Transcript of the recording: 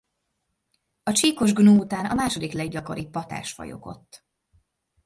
A csíkos gnú után a második leggyakoribb patás fajok ott.